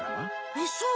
えっそう？